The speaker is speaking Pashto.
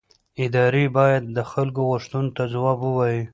ادارې باید د خلکو غوښتنو ته ځواب ووایي